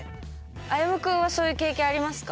あゆむくんはそういう経験ありますか？